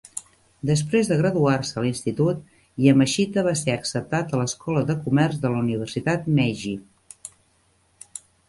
Després de graduar-se a l'institut, Yamashita va ser acceptat a l'Escola de Comerç de la Universitat Meiji.